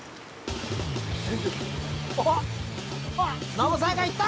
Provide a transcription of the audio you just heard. ノブさんがいった！